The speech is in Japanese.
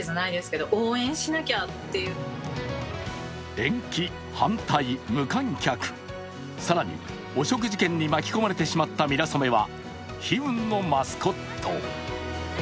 延期、反対、無観客、更に汚職事件に巻き込まれてしまったミラソメは悲運のマスコット。